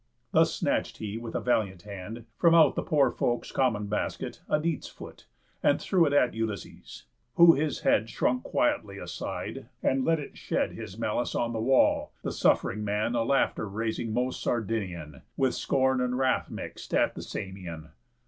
Thus snatch'd he with a valiant hand, from out The poor folks' common basket, a neat's foot, And threw it at Ulysses; who his head Shrunk quietly aside, and let it shed His malice on the wall; the suff'ring man A laughter raising most Sardinian, With scorn and wrath mix'd, at the Samian.